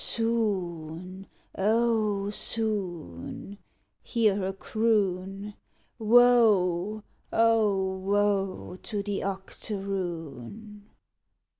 "Soon, oh, soon," hear her croon, "_Woe, oh, woe to the octoroon!